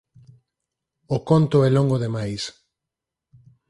O conto é longo de máis.